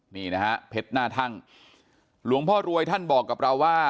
นี่นะฮะเพชรหน้าทั่งหลวงพ่อรวยท่านบอกกับเราว่า